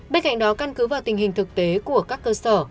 bên cạnh đó căn cứ vào tình hình thực tế của các cơ sở